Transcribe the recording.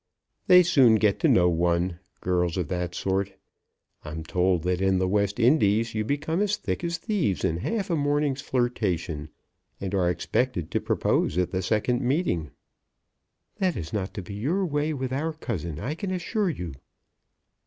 "They soon get to know one, girls of that sort. I'm told that in the West Indies you become as thick as thieves in half a morning's flirtation, and are expected to propose at the second meeting." "That is not to be your way with our cousin, I can assure you."